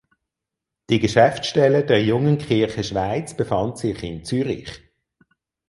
Die Geschäftsstelle der Jungen Kirche Schweiz befand sich in Zürich.